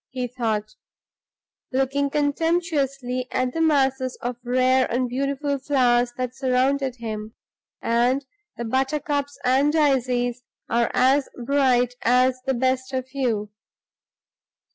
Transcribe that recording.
he thought, looking contemptuously at the masses of rare and beautiful flowers that surrounded him; "and the buttercups and daisies are as bright as the best of you!"